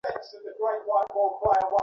একটা কাজ পড়ে গিয়েছিল স্যার।